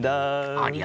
ありゃ？